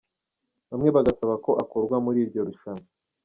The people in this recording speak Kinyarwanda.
Bamwe bagasaba ko akurwa muri iryo rushanwa.